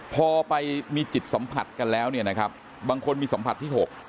พอไปมีจิตสัมผัสกันแล้วเนี่ยนะครับบางคนมีสัมผัสที่๖